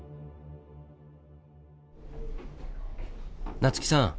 夏木さん